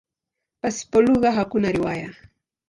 Pasipo lugha hakuna riwaya.